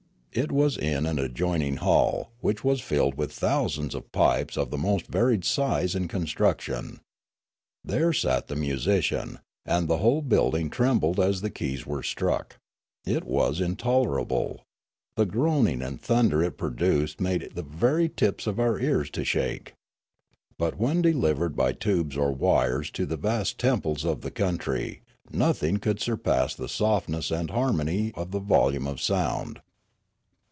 It was in an adjoining hall, which was filled with thousands of pipes of the most varied size and con struction. There sat the musician, and the whole iniilding trembled as the keys were struck. It was intolerable ; the groaning and thunder it produced made the very tips of our ears to shake. But when delivered by tubes or wires into the vast temples of the country, nothing could surpass the softness and har mony of the volume of sound.